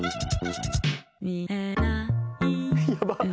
やばっ。